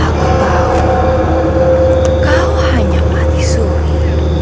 aku tahu kau hanya mati suri